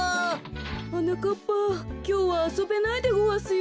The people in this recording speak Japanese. はなかっぱきょうはあそべないでごわすよ。